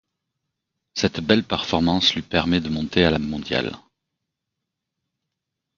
Cette belle performance lui permet de monter à la mondiale.